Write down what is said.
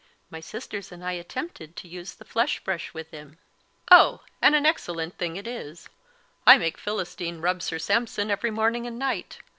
My sisters and I attempted to use the flesh brush with him." "Oh, and an excellent thing it is; I make Philistine rub Sir Sampson every morning and night.